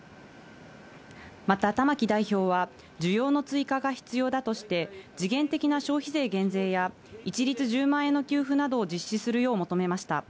また玉木代表は、需要の追加が必要だとして、時限的な消費税減税や、一律１０万円の給付などを実施するよう求めました。